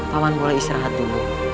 paman boleh istirahat dulu